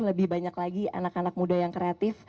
lebih banyak lagi anak anak muda yang kreatif